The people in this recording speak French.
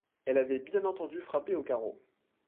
Elle avait bien entendu frapper aux carreaux.